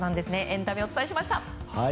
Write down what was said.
エンタメお伝えしました。